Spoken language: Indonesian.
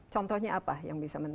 contohnya apa yang bisa menentukan